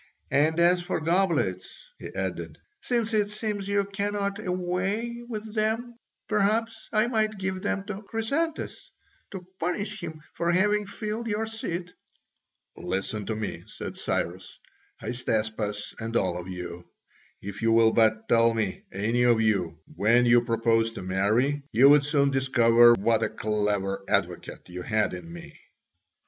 And as for goblets," he added, "since it seems you cannot away with them, perhaps I might give them to Chrysantas to punish him for having filled your seat." "Listen to me," said Cyrus, "Hystaspas, and all of you. If you will but tell me, any of you, when you propose to marry, you would soon discover what a clever advocate you had in me."